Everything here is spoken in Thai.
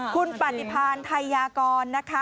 คุณปฏิพันธ์ไทยยากร